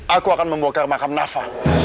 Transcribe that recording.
aku akan membongkar makam nafa